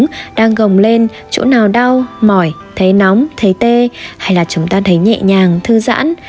có chỗ nào đang gồng lên chỗ nào đau mỏi thấy nóng thấy tê hay là chúng ta thấy nhẹ nhàng thư giãn